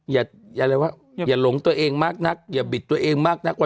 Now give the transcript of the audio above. อย่าลงตัวเองมากนักอย่าบิดตัวเองมากนัก